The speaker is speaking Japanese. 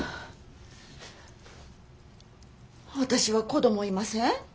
私は子供いません。